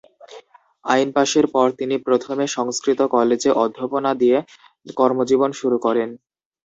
আইন পাশের পর তিনি প্রথমে সংস্কৃত কলেজে অধ্যাপনা দিয়ে কর্মজীবন শুরু করেন।